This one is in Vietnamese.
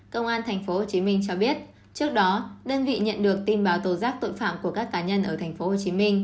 công an tp hcm cho biết trước đó đơn vị nhận được tin báo tố giác tội phạm của các cá nhân ở tp hcm